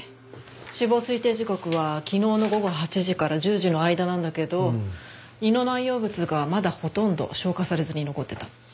死亡推定時刻は昨日の午後８時から１０時の間なんだけど胃の内容物がまだほとんど消化されずに残ってた。